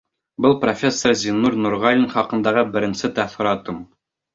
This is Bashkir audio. Был профессор Зиннур Нурғәлин хаҡындағы беренсе тәьҫораттарым...